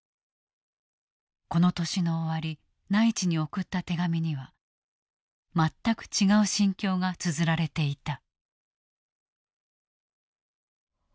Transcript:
この年の終わり内地に送った手紙には全く違う心境がつづられていた。